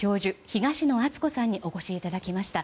東野篤子さんにお越しいただきました。